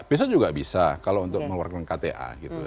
bisa juga bisa kalau untuk mengeluarkan kta gitu